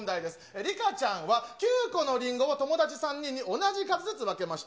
りかちゃんは９個のリンゴを友達３人に同じ数ずつ分けました。